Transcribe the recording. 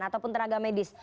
ataupun tenaga medis